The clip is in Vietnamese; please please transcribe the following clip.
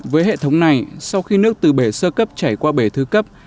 với hệ thống này sau khi nước từ bể sơ cấp chảy qua bể thứ cấp